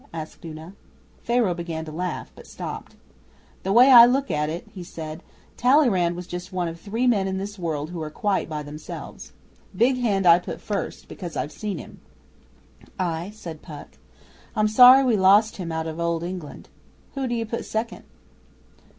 asked Una. Pharaoh began to laugh, but stopped. 'The way I look at it,' he said, 'Talleyrand was one of just three men in this world who are quite by themselves. Big Hand I put first, because I've seen him.' 'Ay,' said Puck. 'I'm sorry we lost him out of Old England. Who d'you put second?